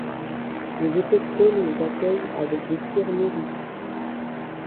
Les autochtones les accueillent avec des tirs nourris.